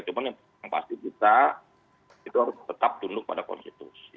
cuma yang pasti kita itu harus tetap tunduk pada konstitusi